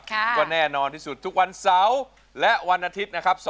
ก็แน่นอนที่สุดทุกวันเสาร์และวันอาทิตย์นะครับ